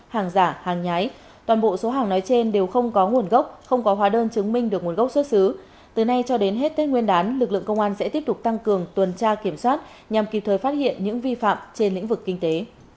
hàng giả hàng nhái toàn bộ số hàng nói trên đều không có nguồn gốc không có hóa đơn chứng minh được nguồn gốc xuất xứ từ nay cho đến hết tết nguyên đán lực lượng công an sẽ tiếp tục tăng cường tuần tra kiểm soát nhằm kịp thời phát hiện những vi phạm trên lĩnh vực kinh tế